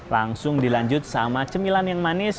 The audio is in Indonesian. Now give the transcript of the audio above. langsung dilanjut sama cemilan yang manis